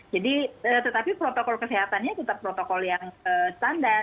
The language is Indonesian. tetapi protokol kesehatannya tetap protokol yang standar